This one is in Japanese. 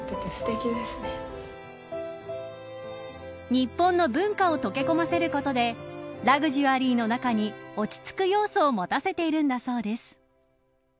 日本の文化を溶け込ませることでラグジュアリーの中に落ち着く要素を持たせているんだそうです。